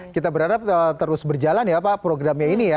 kita berharap terus berjalan ya pak programnya ini ya